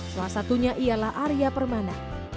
salah satunya ialah arya permana